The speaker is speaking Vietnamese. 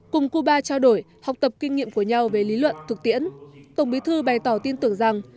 cùng cuba trao đổi học tập kinh nghiệm của nhau về lý luận thực tiễn tổng bí thư bày tỏ tin tưởng rằng